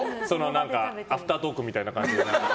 アフタートークみたいな感じで。